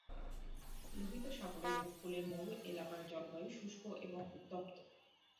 লোহিত সাগরের উপকূলের মরু এলাকার জলবায়ু শুষ্ক এবং উত্তপ্ত।